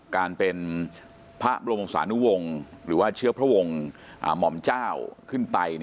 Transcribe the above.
การเป็นพระบรมวงศานุวงศ์หรือว่าเชื้อพระวงศ์หม่อมเจ้าขึ้นไป